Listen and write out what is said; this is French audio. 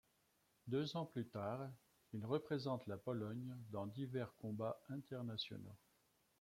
Deux ans plus tard, il représente la Pologne dans divers combats internationaux.